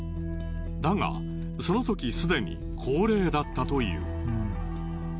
だがそのときすでに高齢だったという。